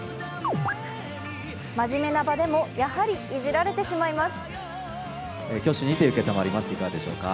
まじめな場でもやはりいじられてしまいます。